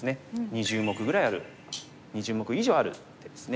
２０目ぐらいある２０目以上ある手ですね。